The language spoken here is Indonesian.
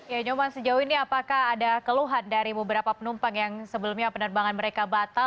ya nyoman sejauh ini apakah ada keluhan dari beberapa penumpang yang sebelumnya penerbangan mereka batal